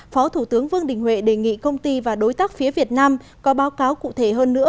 phó thủ tướng vương đình huệ đề nghị công ty và đối tác phía việt nam có báo cáo cụ thể hơn nữa